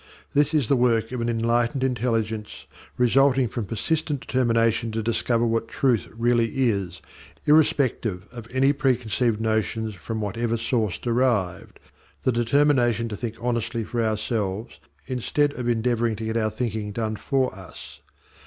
This is the work of an enlightened intelligence resulting from persistent determination to discover what truth really is irrespective of any preconceived notions from whatever source derived, the determination to think honestly for ourselves instead of endeavouring to get our thinking done for us.